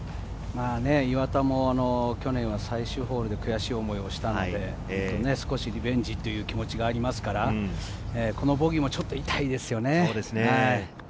岩田も去年は最終ホールで悔しい思いをしたので、少しリベンジという気持ちがありますから、このボギーもちょっと痛いですよね。